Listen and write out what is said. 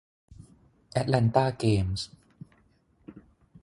แอตแลนต้าเกมส์